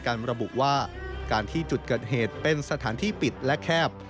เข้าในการรับบุว่าการที่จุดเกิดเหตุเป็นสถานปิดและแคบ